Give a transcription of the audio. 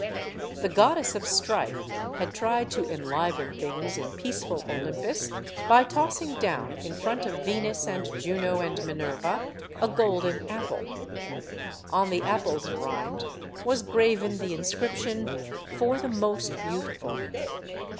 The Goddess of Strife had tried to enliven things in peaceful Olympus by tossing down 70 STORIES OF THE SUPER WOMEN in front of Venus and Juno and Minerva a golden apple. On the apple's rind was graven the inscription: 'Tor the most beautiful."